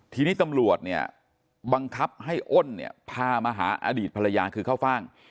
ทีนี้ตำรวจเนี่ยบังคับให้อ้นเนี่ยพามาหาอดีตภรรยาคือข้าวฟ่าง